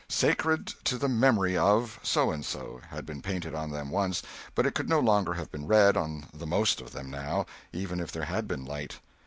"Sacred to the memory of" So and So had been painted on them once, but it could no longer have been read, on the most of them, now, even if there had been light.